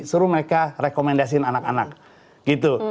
suruh mereka rekomendasiin anak anak gitu